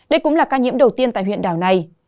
đây cũng là ca nhiễm đầu tiên tại huyện đảo này